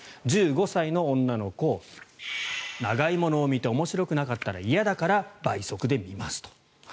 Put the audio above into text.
１５歳の女の子長いものを見て面白くなかったら嫌なので倍速で見ますと。